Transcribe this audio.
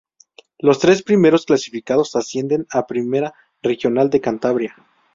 Los tres primeros clasificados ascienden a Primera Regional de Cantabria.